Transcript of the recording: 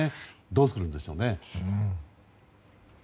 どうするんでしょうね。